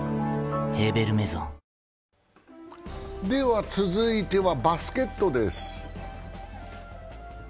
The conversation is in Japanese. では続いてはバスケットです。